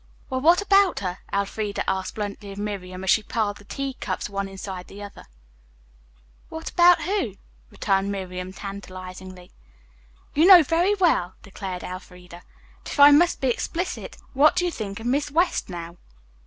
"Well, what about her?" Elfreda asked bluntly of Miriam, as she piled the tea cups one inside the other. "What about who?" returned Miriam tantalizingly. "You know very well" declared Elfreda; "but, if I must be explicit, what do you think of Miss West now?"